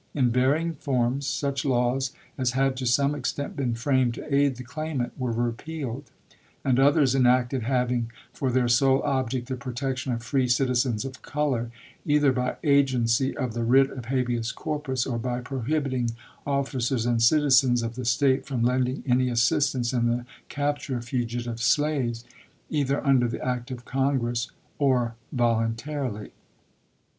In varying forms, such laws as had to some extent been framed to aid the claimant were repealed, and others enacted having for their sole object the protection of free citizens of color, either by agency of the writ of habeas corpus or by pro hibiting officers and citizens of the State from lending any assistance in the capture of fugitive slaves, either under the act of Congress or volun tarily.